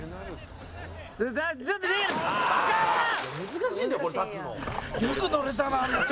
「難しいんだよこれ立つの」